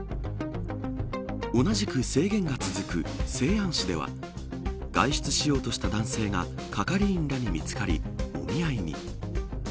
同じく制限が続く西安市では外出しようとした男性が係員らに見つかりもみ合いに。